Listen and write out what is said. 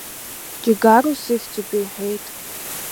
Џьигаро сыхьӡуп, — иҳәеит.